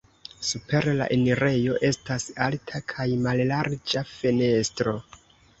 Super la enirejo estas alta kaj mallarĝa fenestro.